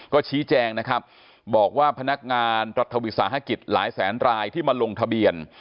ก็ชี้แจงนะครับบอกว่าพนักงานรัฐวิสาหกิจหลายแสนรายที่มาลงทะเบียน